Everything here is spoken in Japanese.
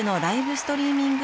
ストリーミング